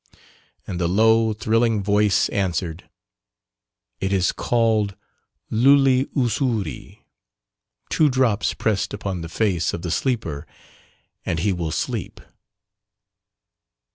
And the low thrilling voice answered, "it is called 'lûli uzhûri,' two drops pressed upon the face of the sleeper and he will sleep."